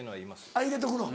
あっ入れとくの。